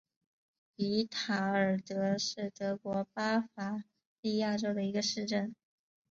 比塔尔德是德国巴伐利亚州的一个市镇。